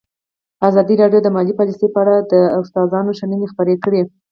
ازادي راډیو د مالي پالیسي په اړه د استادانو شننې خپرې کړي.